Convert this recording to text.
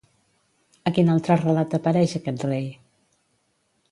A quin altre relat apareix aquest rei?